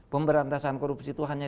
pemberantasan korupsi itu hanya